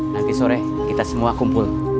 nanti sore kita semua kumpul